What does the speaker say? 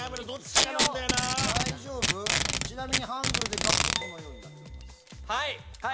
ちなみにハングルで書くとこのようになっております。